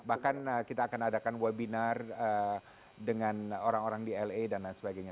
bahkan kita akan adakan webinar dengan orang orang di la dan lain sebagainya